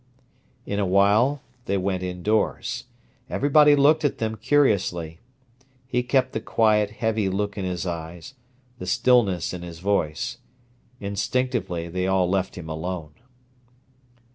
In a while they went indoors. Everybody looked at them curiously. He still kept the quiet, heavy look in his eyes, the stillness in his voice. Instinctively, they all left him alone.